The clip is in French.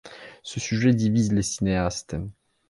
Ce sujet divise les cinéastes.